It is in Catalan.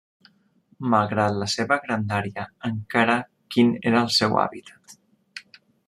Malgrat la seva grandària, encara quin era el seu hàbitat.